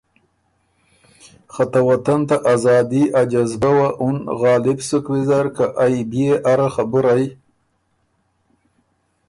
خه ته وطن ته ازادی ا جدبۀ وه اُن غالب سُک ویزر که ائ بيې اره خبُرئ